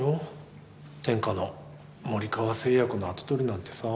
天下の森川製薬の跡取りなんてさ。